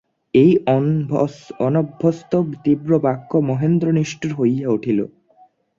এই অনভ্যস্ত তীব্র বাক্যে মহেন্দ্র নিষ্ঠুর হইয়া উঠিল।